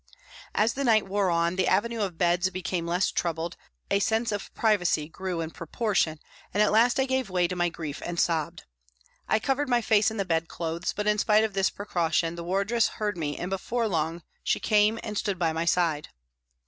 As the night wore on, the avenue of beds became less troubled, a sense of privacy grew in proportion and at last I gave way to my grief and sobbed. I covered my face in the bedclothes, but in spite of THE HOSPITAL 111 this precaution the wardress heard me and before long she came and stood by my side.